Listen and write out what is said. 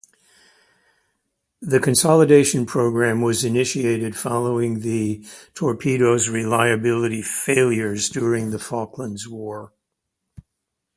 The Consolidation Programme was initiated following the torpedo's reliability failures during the Falklands War.